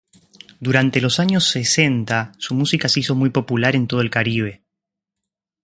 Durante los años sesenta, su música se hizo muy popular en todo el Caribe.